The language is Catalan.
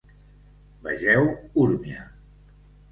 Vegeu Urmia.